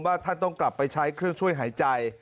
ท่านต้องกลับไปใช้เครื่องช่วยหายใจ